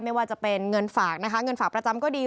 ไม่ว่าจะเป็นเงินฝากนะคะเงินฝากประจำก็ดี